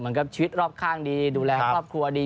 ครับชีวิตรอบข้างดีดูแลครอบครัวดี